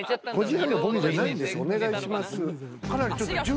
お願いします。